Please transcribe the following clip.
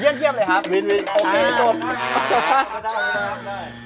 เยี่ยมเลยครับ